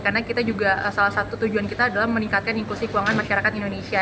karena kita juga salah satu tujuan kita adalah meningkatkan inklusi keuangan masyarakat indonesia